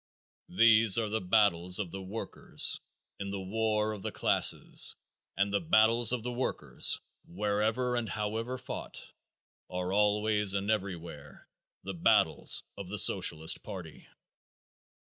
These are the battles of the workers in the war of the classes and the battles of the workers, wherever and however fought, are always and everywhere the battles of the Socialist party.